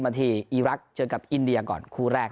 นาทีอีรักษ์เจอกับอินเดียก่อนคู่แรก